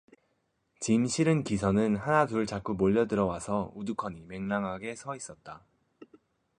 짐 실은 기선은 하나둘 자꾸 몰려들어 와서 우두커니 맹랑하게 서 있었다.